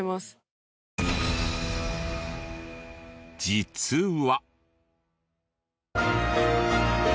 実は。